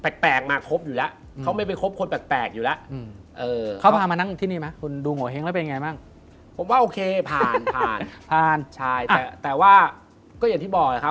ด้วยความเป็นห่วงเขา